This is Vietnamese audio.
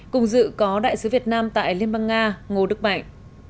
cùng dự có đại sứ việt nam tại liên bang nga ngô đức mạnh